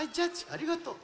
ありがとう。